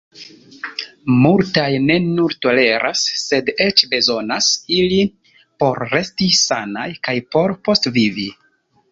Multaj ne nur toleras, sed eĉ bezonas ilin por resti sanaj kaj por postvivi.